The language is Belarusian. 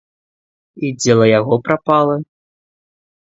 І дзела яго прапала?